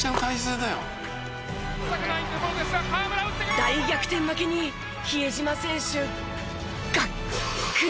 大逆転負けに比江島選手ガックリ。